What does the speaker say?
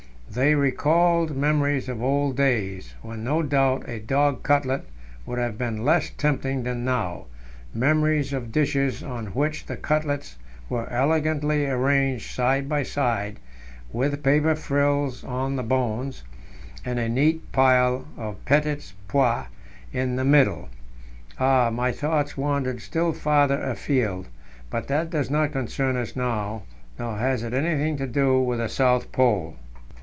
They recalled memories of old days, when no doubt a dog cutlet would have been less tempting than now memories of dishes on which the cutlets were elegantly arranged side by side, with paper frills on the bones, and a neat pile of petits pois in the middle. Ah, my thoughts wandered still farther afield but that does not concern us now, nor has it anything to do with the South Pole.